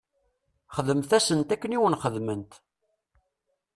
Xdemt-asent akken i wen-xedment.